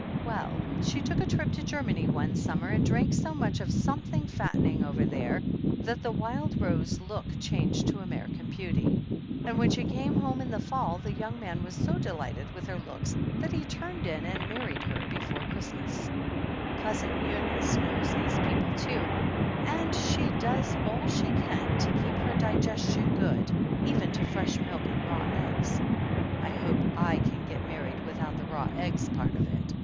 Well, she took a trip to Germany one summer and drank so much of something fattening over there that the wild rose look changed to Amer ican beauty ; and when she came home in the fall the young man was so delighted with her looks that he turned in and married her before Christ mas! THE ANNALS OF ANN Cousin Eunice knows these people too, and she does all she can to keep her digestion good, even to fresh milk and raw eggs. I hope / can get married without the raw eggs part of it.